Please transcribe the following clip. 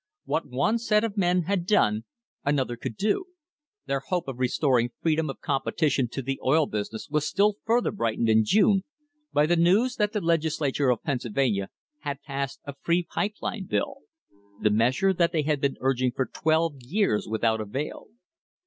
What one set of men had done, another could do. Their hope of restoring f ree THE FIGHT FOR THE SEABOARD PIPE LINE dom of competition to the oil business was still further brightened in June by the news that the Legislature of Penn sylvania had passed a free pipe line bill the measure that they had been urging for twelve years without avail.